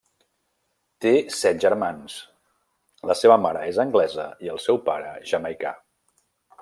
Té set germans, la seva mare és anglesa i el seu pare jamaicà.